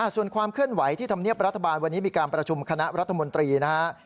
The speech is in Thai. ส่วนความเคลื่อนไหวที่ธรรมเนียบรัฐบาลวันนี้มีการประชุมคณะรัฐมนตรีนะครับ